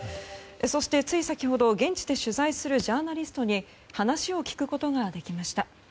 そして、つい先ほど現地で取材するジャーナリストに話を聞くことができました。